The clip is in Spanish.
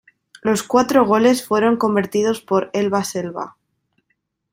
Los cuatro goles fueron convertidos por Elba Selva.